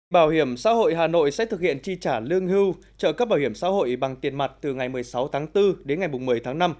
bảo hiểm xã hội hà nội sẽ thực hiện chi trả lương hưu trợ cấp bảo hiểm xã hội bằng tiền mặt từ ngày một mươi sáu tháng bốn đến ngày một mươi tháng năm